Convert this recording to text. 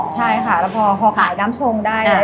ใช่ค่ะแล้วพอขายน้ำชงได้